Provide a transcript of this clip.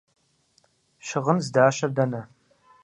Щыгъын здащэр дэнэ?